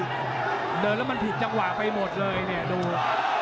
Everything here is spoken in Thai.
เดินแล้วมันผิดจังหวะไปหมดเลยเนี่ยดู